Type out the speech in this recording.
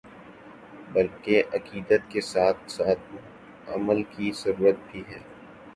بلکہ عقیدت کے ساتھ ساتھ عمل کی ضرورت بھی ہے ۔